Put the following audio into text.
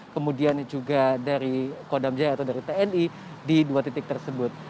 kemudian juga dari kodam jaya atau dari tni di dua titik tersebut